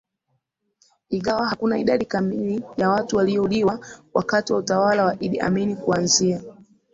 Ingawa hakuna idadi kamili ya watu waliouliwa wakati wa utawala wa Idi Amin kuanzia